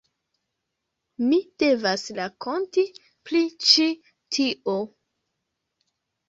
Mi devas rakonti pri ĉi tio.